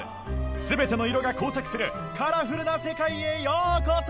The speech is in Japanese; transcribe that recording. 全ての色が交錯するカラフルな世界へようこそ！